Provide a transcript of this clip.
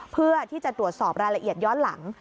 เพื่อที่จะตรวจสอบรายละเอียดย้อนหลัง